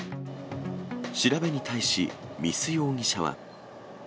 調べに対し、見須容疑者は。